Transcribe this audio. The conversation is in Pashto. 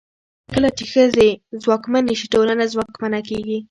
کله چې ښځې ځواکمنې شي، ټولنه ځواکمنه کېږي.